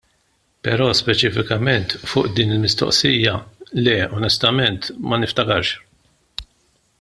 Però speċifikament fuq din il-mistoqsija, le, onestament ma niftakarx.